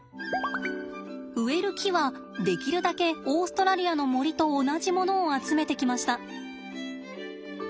植える木はできるだけオーストラリアの森と同じものを集めてきました。